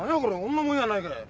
女物やないかい。